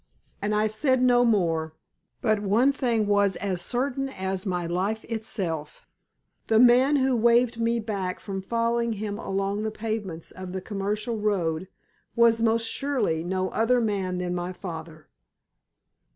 And I said no more, but one thing was as certain as my life itself the man who had waved me back from following him along the pavements of the Commercial Road was most surely no other man than my father.